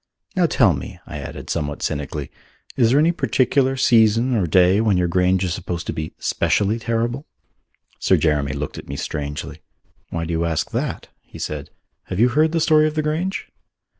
Now tell me," I added somewhat cynically, "is there any particular season or day when your Grange is supposed to be specially terrible?" Sir Jeremy looked at me strangely. "Why do you ask that?" he said. "Have you heard the story of the Grange?"